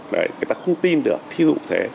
người ta không tin được ví dụ thế